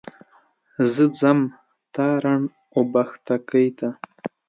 زه ځم تارڼ اوبښتکۍ ته.